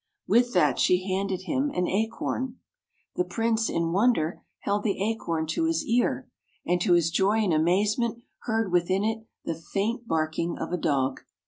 With that, she handed him an acorn. The Prince, in wonder, held the acorn to his ear, and to his joy and amazement heard within it the faint barking of a dog.